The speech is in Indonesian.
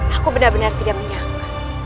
aku benar benar tidak menyangka